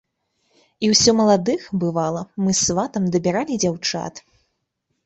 І ўсё маладых, бывала, мы з сватам дабіралі дзяўчат.